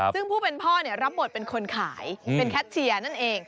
ซึ่งผู้เป็นพ่อรับบทเป็นคนขายเป็นแคทเชียร์นั่นเอง